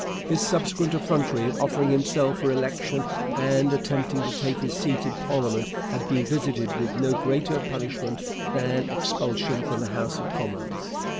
His subsequent effrontery in offering himself for election and attempting to take his seat in parliament had been visited with no greater punishment than expulsion from the House of Commons.